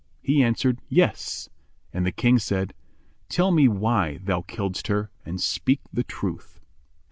He answered, "Yes" and the King said, "Tell me why thou killedst her, and speak the truth."